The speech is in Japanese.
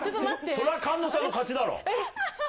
それは菅野さんの勝ちだろ。